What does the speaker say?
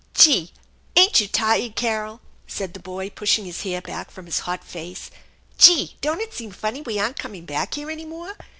" Gee ! Ain't you tired, Carol ?" said the boy, pushing his hair back from his hot face. " Gee ! Don't it seem funny we aren't coming back here any more?